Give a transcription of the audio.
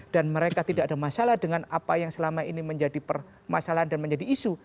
dan mereka tidak ada masalah dengan apa yang selama ini menjadi permasalahan dan menjadi isu